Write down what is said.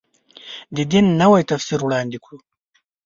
د دین نوی تفسیر وړاندې کړو.